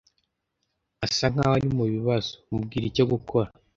Asa nkaho ari mubibazo. Mubwire icyo gukora.